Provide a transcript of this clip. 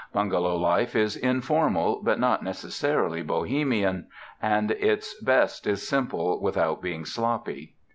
Bungalow life is informal but not necessarily bohemian, and at its best is simple, without being sloppy.